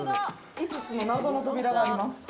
５つの謎の扉があります。